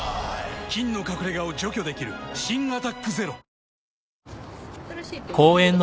菌の隠れ家を除去できる新「アタックＺＥＲＯ」新しいページにする？